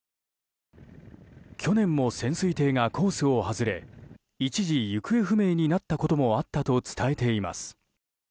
去年も潜水艇がコースを外れ一時、行方不明になったこともあったと伝えています。